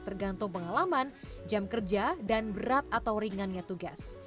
tergantung pengalaman jam kerja dan berat atau ringannya tugas